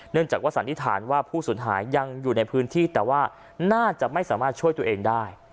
จากว่าสันนิษฐานว่าผู้สูญหายยังอยู่ในพื้นที่แต่ว่าน่าจะไม่สามารถช่วยตัวเองได้